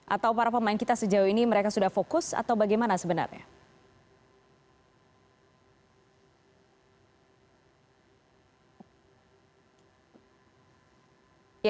atau para pemain kita sejauh ini mereka sudah fokus atau bagaimana sebenarnya